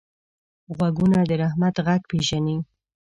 غوږونه د رحمت غږ پېژني